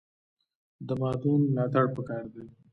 د مادون ملاتړ پکار دی